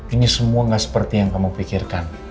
ini semua gak seperti yang kamu pikirkan